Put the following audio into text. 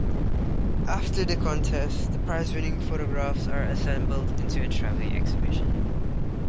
After the contest, the prizewinning photographs are assembled into a travelling exhibition.